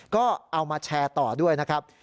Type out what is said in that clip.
ก็เอามาแชร์ต่อด้วยนะครับ